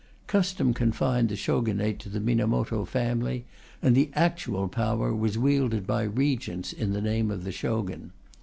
Custom confined the Shogunate to the Minamoto family, and the actual power was wielded by Regents in the name of the Shogun.